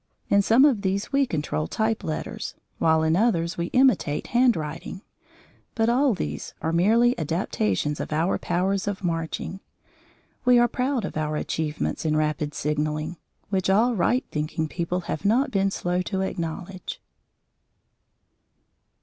In some of these we control type letters, while in others we imitate handwriting, but all these are merely adaptations of our powers of marching. We are proud of our achievements in rapid signalling, which all right thinking people have not been slow to acknowledge.